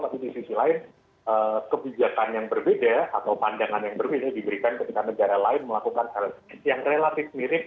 tapi di sisi lain kebijakan yang berbeda atau pandangan yang berbeda diberikan ketika negara lain melakukan hal yang relatif mirip